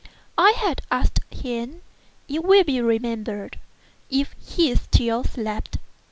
I had asked him, it will be remembered, if he still slept.